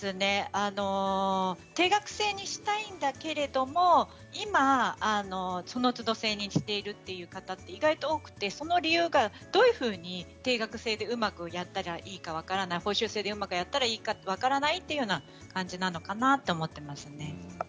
定額制にしたいんだけれども今、その都度制にしているという方って意外と多くてその理由は、どういうふうに定額制でうまくやったらいいか分からない報酬制でうまくやったらいいのか分からないという感じなのかなと思っていますね。